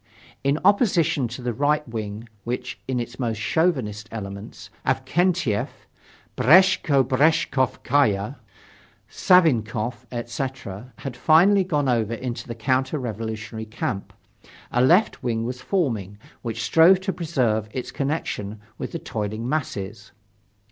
In opposition to the right wing which, in its most chauvinistic elements, such as Avksentyef, Breshko Breshkovskaya, Savinkoff, etc., had finally gone over into the counter revolutionary camp, a left wing was forming, which strove to preserve its connection with the toiling masses.